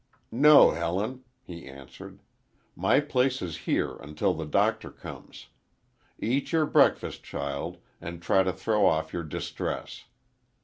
"No, Helen," he answered. "My place is here until the Doctor comes. Eat your breakfast, child, and try to throw off your distress.